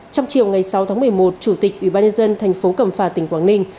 trong chiều ngày sáu tháng một mươi một chủ tịch ủy ban nhân dân thành phố cầm phà tỉnh quảng ninh